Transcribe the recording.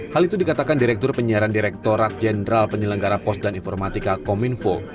hal itu dikatakan direktur penyiaran direktorat jenderal penyelenggara post dan informatika kominfo